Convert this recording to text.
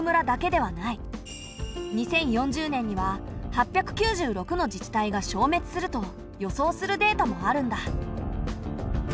２０４０年には８９６の自治体が消滅すると予想するデータもあるんだ。